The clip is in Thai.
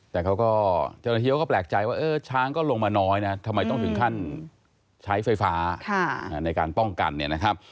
แต่เขาก็เจ้าหน้าที่เขาก็แปลกใจว่าเออช้างก็ลงมาน้อยนะทำไมต้องถึงขั้นใช้ไฟฟ้าในการป้องกันเนี่ยนะครับ